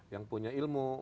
yang punya ilmu